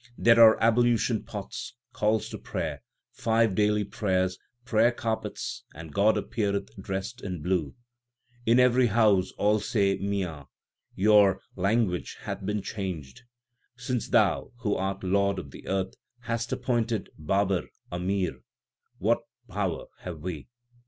There are ablution pots, calls to prayer, five daily prayers, prayer carpets, and God appeareth dressed in blue. 1 In every house all say Mian ; 2 your language hath been changed. Since Thou, who art Lord of the earth hast appointed Babar a Mir, 3 what power have we